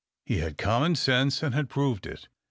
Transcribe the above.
He had common sense, and had proved it.